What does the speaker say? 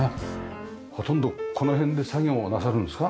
ほとんどこの辺で作業なさるんですか？